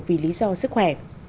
vì lý do sức khỏe